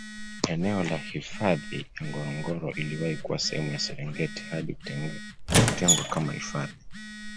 Eneo la hifadhi ya Ngorongoro liliwahi kuwa sehemu ya Serengeti hadi kutengwa kama hifadhi